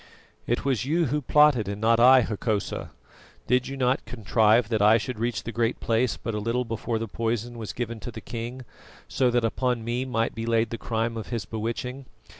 "It was you who plotted, and not I, Hokosa. Did you not contrive that I should reach the Great Place but a little before the poison was given to the king, so that upon me might be laid the crime of his bewitching?